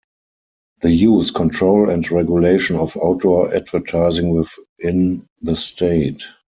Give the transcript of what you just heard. The use, control and regulation of outdoor advertising within the state.